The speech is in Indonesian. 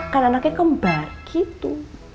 kan anaknya kembar gitu